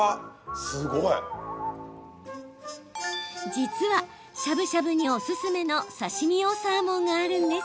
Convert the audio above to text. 実はしゃぶしゃぶにおすすめの刺身用サーモンがあるんです。